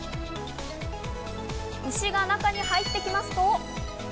牛が中に入ってきますと。